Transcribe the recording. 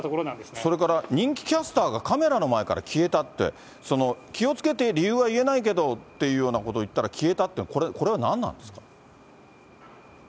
それから、人気キャスターがカメラの前から消えたって、気をつけて、理由は言えないけどというようなことを言ったら消えたって、これは何なんですか。